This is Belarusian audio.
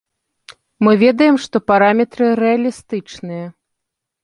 Мы ведаем, што параметры рэалістычныя.